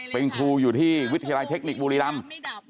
เป็นครูอยู่ที่วิทยาลัยเทคนิคบุรีรำ